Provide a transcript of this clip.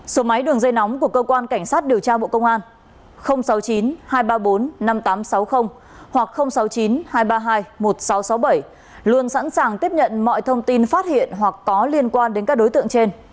số máy đường dây nóng của cơ quan cảnh sát điều tra bộ công an sáu mươi chín hai trăm ba mươi bốn năm nghìn tám trăm sáu mươi hoặc sáu mươi chín hai trăm ba mươi hai một nghìn sáu trăm sáu mươi bảy luôn sẵn sàng tiếp nhận mọi thông tin phát hiện hoặc có liên quan đến các đối tượng trên